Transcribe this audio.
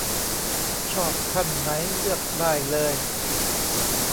ชอบขั้นไหนเลือกได้เลย